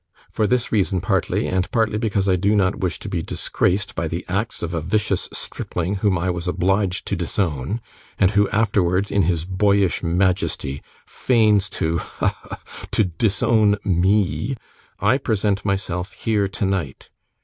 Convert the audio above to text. For this reason, partly, and partly because I do not wish to be disgraced by the acts of a vicious stripling whom I was obliged to disown, and who, afterwards, in his boyish majesty, feigns to ha! ha! to disown ME, I present myself here tonight.